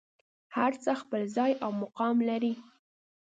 هر څه خپل ځای او خپل مقام لري.